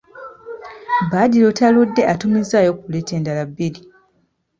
Badru taludde atumizzaayo kuleeti endala bbiri!